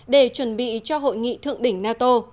để chuẩn bị cho hội nghị thượng đỉnh nato